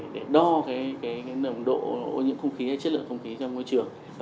để đo nồng độ ô nhiễm không khí hay chất lượng không khí ra môi trường